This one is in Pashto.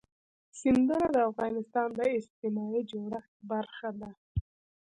سیندونه د افغانستان د اجتماعي جوړښت برخه ده.